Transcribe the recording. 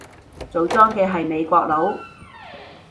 做莊嘅係美國佬